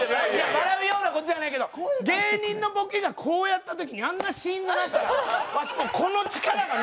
笑うような事じゃないけど芸人のボケがこうやった時にあんなシーンとなったらわしもうこの力がのうなるんよ。